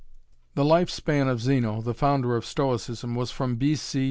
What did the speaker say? The life span of Zeno, the founder of Stoicism, was from B.